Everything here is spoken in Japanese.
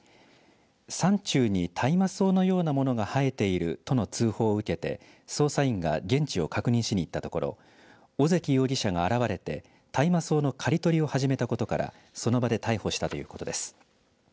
山中に大麻草のようなものが生えているとの通報を受けて捜査員が現地を確認しに行ったところ小関容疑者が現れて大麻草の刈り取りを始めたことからその場で逮捕したということです。